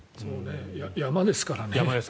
山ですからね。